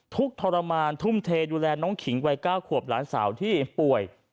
ทุกข์ทรมานทุ่มเทดูแลน้องขิงวัย๙ขวบหลานสาวที่ป่วย